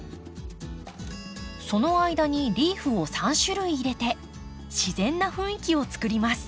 その間にリーフを３種類入れて自然な雰囲気を作ります。